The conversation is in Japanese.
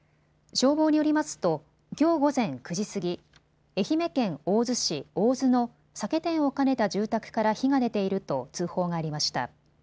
消防によりますときょう午前９時過ぎ、愛媛県大洲市大洲の酒店を兼ねた住宅から火が出ていると通報がありました。